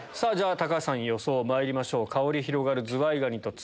橋さん予想まいりましょう。